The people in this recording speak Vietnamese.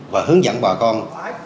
và hướng dẫn bà con